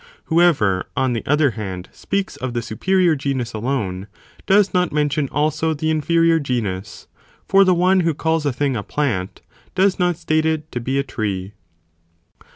Whoever, on the other hand, speaks of the superior genus alone, does not mention also the inferior genus, for the one _ who calls a thing a plant, does not state it to be a tree.